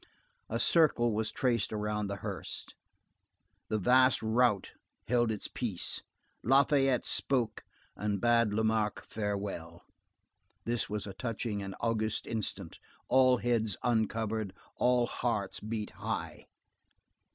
A circle was traced around the hearse. The vast rout held their peace. Lafayette spoke and bade Lamarque farewell. This was a touching and august instant, all heads uncovered, all hearts beat high.